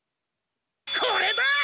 これだ！